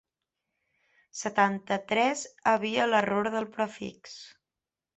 Setanta-tres havia l'error del prefix.